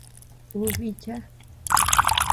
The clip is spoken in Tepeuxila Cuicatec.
Ú bícha.